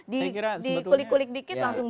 dikulik kulik dikit langsung